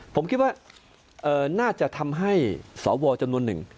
ผมคิดว่าน่าจะทำให้สวจำนวนหนึ่ง